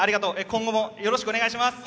今後もよろしくお願いします。